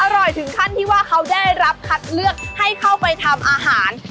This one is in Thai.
ถึงขั้นที่ว่าเขาได้รับคัดเลือกให้เข้าไปทำอาหาร